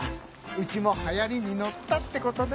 うちもはやりに乗ったってことで。